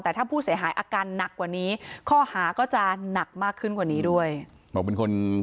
แต่ถ้าผู้เสียหายอาการหนักกว่านี้ข้อหาจะหนักมากขึ้น